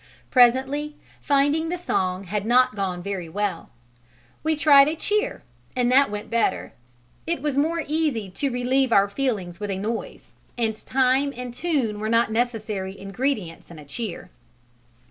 Presently, finding the song had not gone very well, we tried a cheer, and that went better. It was more easy to relieve our feelings with a noise, and time and tune were not necessary ingredients in a cheer.